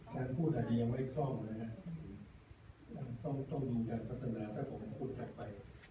การพูดอันนี้ยังไม่ต้องนะฮะต้องต้องดูการพัฒนาถ้าผมไม่พูดกลับไป